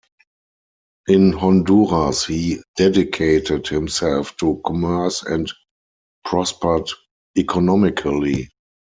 In Honduras he dedicated himself to commerce and prospered economically.